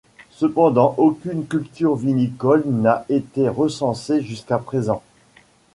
Cependant aucune culture vinicole n'a été recensée jusqu'à présent.